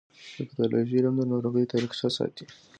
د پیتالوژي علم د ناروغیو تاریخچه ساتي.